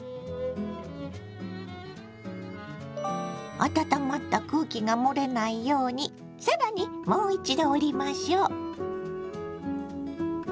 温まった空気がもれないように更にもう一度折りましょう。